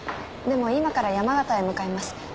でも今から山形へ向かいます。